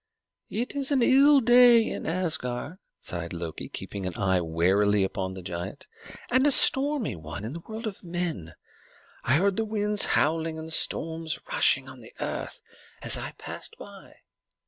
"It is an ill day in Asgard," sighed Loki, keeping his eye warily upon the giant, "and a stormy one in the world of men. I heard the winds howling and the storms rushing on the earth as I passed by.